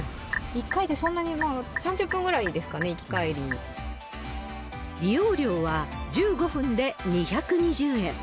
１回でそんなに、３０分ぐらいですかね、利用料は、１５分で２２０円。